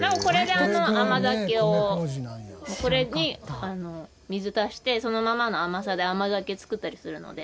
これに水足してそのままの甘さで甘酒作ったりするので。